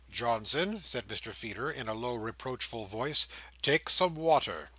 "Johnson," said Mr Feeder, in a low reproachful voice, "take some water."